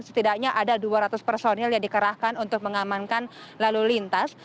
setidaknya ada dua ratus personil yang dikerahkan untuk mengamankan lalu lintas